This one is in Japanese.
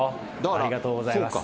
ありがとうございます。